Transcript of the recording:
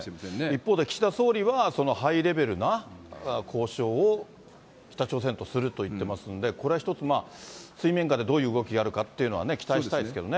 一方で、岸田総理は、そのハイレベルな交渉を北朝鮮とすると言ってますんで、これは一つ、水面下でどういう動きがあるかというのは期待したいですけどね。